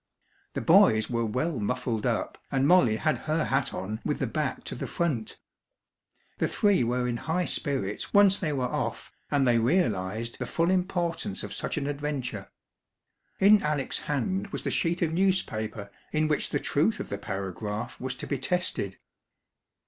The boys were well muffled up, and Molly had her hat on with the back to the front. The three were in high spirits once they were off, and they realised the full importance of such an adventure. In Alec's hand was the sheet of newspaper in which the truth of the paragraph was to be tested.